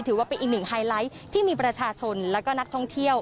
ถือว่าเป็นอีกหนึ่งไฮไลท์ที่มีประชาชนและก็นักท่องเที่ยว